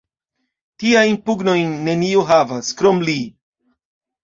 Tiajn pugnojn neniu havas, krom li!